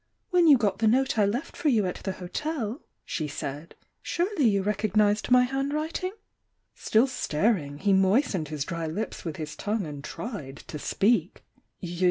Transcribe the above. "When you got the note I left for you at the hotel." she said, "surely you recognised my hand writing?" .,.• Still staring, he moistened his dry lips with his tongue and tried to speak.